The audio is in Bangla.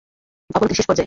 অবনতির শেষ পর্যায়ে!